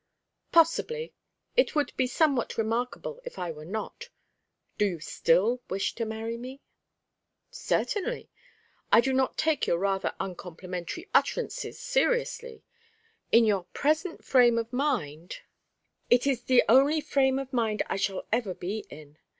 "Possibly; it would be somewhat remarkable if I were not. Do you still wish to marry me?" "Certainly. I do not take your rather uncomplimentary utterances seriously. In your present frame of mind " "It is the only frame of mind I shall ever be in.